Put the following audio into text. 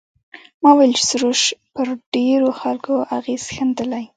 ما وویل چې سروش پر ډېرو خلکو اغېز ښندلی.